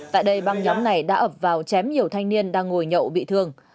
tại đây băng nhóm này đã ập vào chém nhiều thanh niên đang ngồi nhậu bị thương